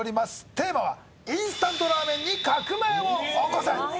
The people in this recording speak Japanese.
テーマはインスタントラーメンに革命を起こせ！